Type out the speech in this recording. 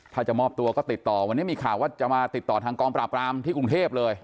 ถ้าจะมอบตัวก็ติดต่อวันนี้มีข่าวว่าจะมาติดต่อทางกองปราบรามที่กรุงเทพเลย